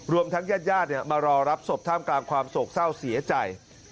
ทั้งญาติญาติมารอรับศพท่ามกลางความโศกเศร้าเสียใจ